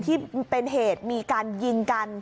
ที่เป็นเหตุมีการยิงกัน